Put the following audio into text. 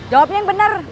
jawab yang bener